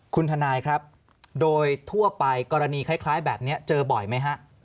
คุณทนายครับโดยทั่วไปกรณีคล้ายแบบนี้เจอบ่อยไหมฮะ